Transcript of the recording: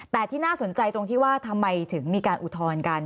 แต่ที่น่าสนใจตรงที่ว่าทำไมถึงมีการอุทธรณ์กัน